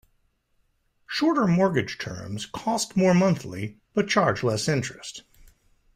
Shorter mortgage terms cost more monthly but charge less interest.